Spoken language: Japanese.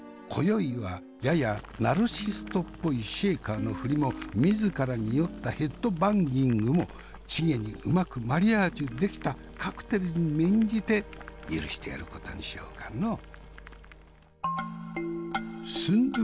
今宵はややナルシストっぽいシェーカーの振りも自らに酔ったヘッドバンギングもチゲにうまくマリアージュできたカクテルに免じて許してやることにしようかの。